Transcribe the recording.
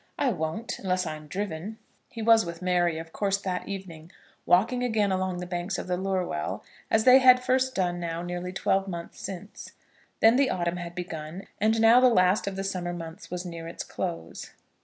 I won't, unless I am driven." He was with Mary, of course, that evening, walking again along the banks of the Lurwell, as they had first done now nearly twelve months since. Then the autumn had begun, and now the last of the summer months was near its close.